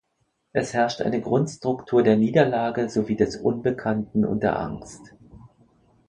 Es herrscht eine Grundstruktur der Niederlage sowie des Unbekannten und der Angst.